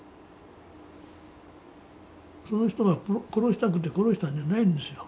その人は殺したくて殺したんじゃないんですよ。